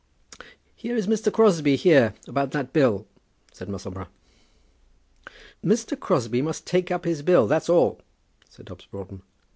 "Here is Mr. Crosbie here, about that bill," said Musselboro. "Mr. Crosbie must take up his bill; that's all," said Dobbs Broughton.